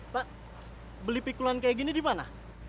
pak beli pikulan kayak gini di mana